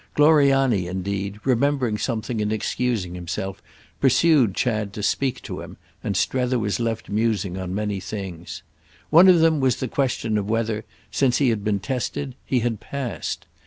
Gloriani indeed, remembering something and excusing himself, pursued Chad to speak to him, and Strether was left musing on many things. One of them was the question of whether, since he had been tested, he had passed.